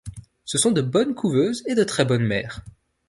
Ce sont de bonnes couveuses et de très bonnes mères.